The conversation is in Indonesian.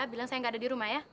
bilang saya nggak ada di rumah ya